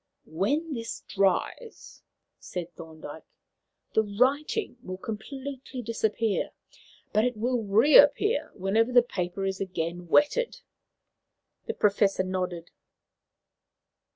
"When this dries," said Thorndyke, "the writing will completely disappear, but it will reappear whenever the paper is again wetted." The Professor nodded.